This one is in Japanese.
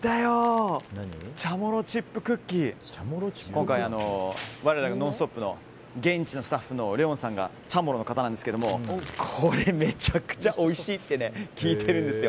今回我らが「ノンストップ！」の現地のスタッフのレオンさんがチャモロの方なんですけどこれ、めちゃくちゃおいしいって聞いているんですよ。